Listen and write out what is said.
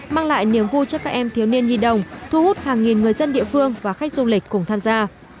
mang lại niềm vui cho các em thiếu niên nhi đồng thu hút hàng nghìn người dân địa phương và khách du lịch cùng tham gia